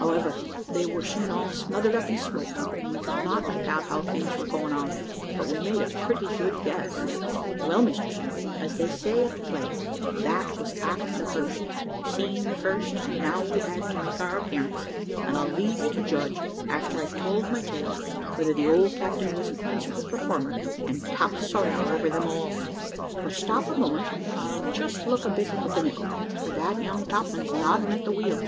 However, they were soon all smothered up in smoke, and we could not make out how things were going on but we made a pretty good guess. Well, Mr Simple, as they say at the play, that was act the first, scene the first; and now we had to make our appearance, and I'll leave you to judge, after I've told my tale, whether the old Captain wasn't principal performer, and top sawyer over them all. But stop a moment, I'll just look at the binnacle, for that young topman's nodding at the wheel.